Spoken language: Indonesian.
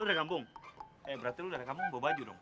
lo dari kampung eh berarti lo dari kampung bawa baju dong